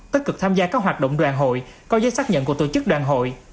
tất cực tham gia các hoạt động đoàn hội có giấy xác nhận của tổ chức đoàn hội